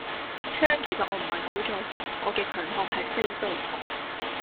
槍其實我唔係好在行，我嘅強項係飛刀